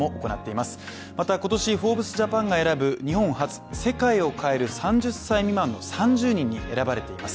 また今年、ＦｏｒｂｅｓＪＡＰＡＮが選ぶ日本発「世界を変える３０歳未満の３０人」に選ばれています。